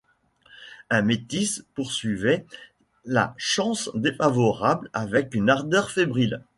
Un métis poursuivait la chance défavorable avec une ardeur fébrile.